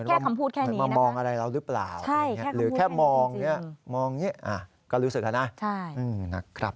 แค่คำพูดแค่นี้นะครับใช่แค่คำพูดแค่นี้จริงนะครับ